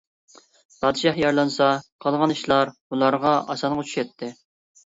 پادىشاھ يارىلانسا قالغان ئىشلار بۇلارغا ئاسانغا چۈشەتتى.